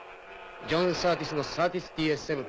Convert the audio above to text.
ジョンサーティスのサーティスＴＳ７。